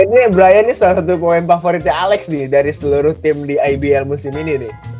ini brian ini salah satu pemain favoritnya alex nih dari seluruh tim di ibl musim ini nih